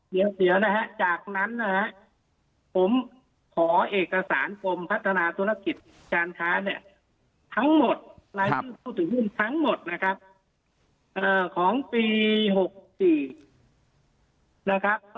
เดี๋ยวนะฮะจากนั้นนะฮะผมขอเอกสารกลุ่มพัฒนาธุรกิจชาญภาสเนี่ย